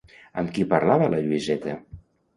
Amb qui parlava la Lluïseta?